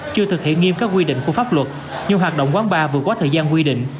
chưa thực hiện nghiêm các quy định của pháp luật như hoạt động quán bar vừa quá thời gian quy định